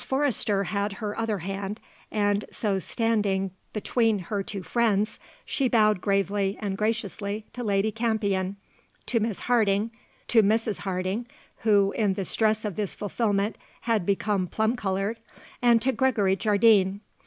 Forrester had her other hand, and, so standing between her two friends, she bowed gravely and graciously to Lady Campion, to Miss Harding, to Mrs. Harding who, in the stress of this fulfilment had become plum coloured and to Gregory Jardine.